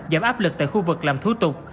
giảm áp lực tại khu vực làm thủ tục